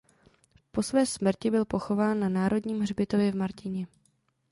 Po své smrti byl pochován na Národním hřbitově v Martině.